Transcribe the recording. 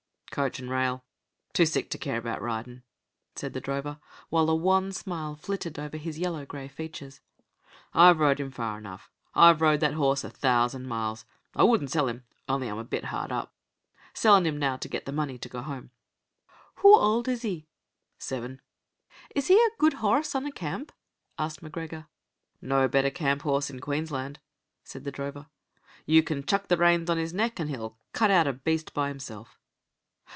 "Coach and rail. Too sick to care about ridin'," said the drover, while a wan smile flitted over his yellow grey features. "I've rode him far enough. I've rode that horse a thousand miles. I wouldn't sell him, only I'm a bit hard up. Sellin' him now to get the money to go home." "Hoo auld is he?" "Seven." "Is he a guid horrse on a camp?" asked M'Gregor. "No better camp horse in Queensland," said the drover. "You can chuck the reins on his neck, an' he'll cut out a beast by himself."